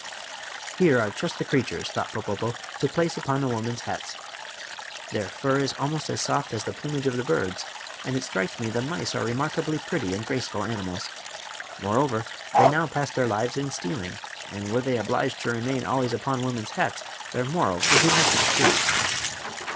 "Here are just the creatures," thought Popopo, "to place upon the woman's hats. Their fur is almost as soft as the plumage of the birds, and it strikes me the mice are remarkably pretty and graceful animals. Moreover, they now pass their lives in stealing, and were they obliged to remain always upon women's hats their morals would be much improved."